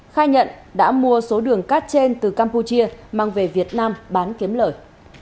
khai nhận đã mua số đường cát trên từ campuchia mang về việt nam bán kiếm lời